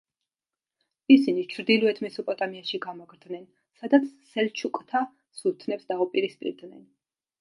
ისინი ჩრდილოეთ მესოპოტამიაში გამაგრდნენ, სადაც სელჩუკთა სულთნებს დაუპირისპირდნენ.